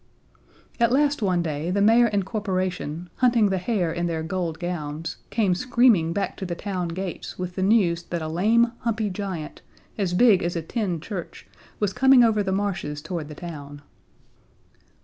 At last one day the mayor and corporation, hunting the hare in their gold gowns, came screaming back to the town gates with the news that a lame, humpy giant, as big as a tin church, was coming over the marshes toward the town.